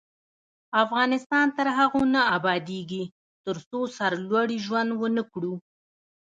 افغانستان تر هغو نه ابادیږي، ترڅو سرلوړي ژوند ونه کړو.